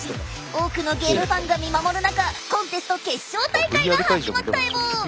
多くのゲームファンが見守る中コンテスト決勝大会が始まったエボ！